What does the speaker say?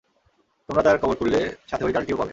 তোমরা তার কবর খুঁড়লে সাথে ঐ ডালটিও পাবে।